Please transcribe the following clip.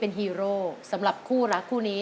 ฮีโร่สำหรับคู่รักคู่นี้